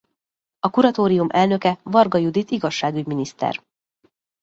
A kuratórium elnöke Varga Judit igazságügy-miniszter.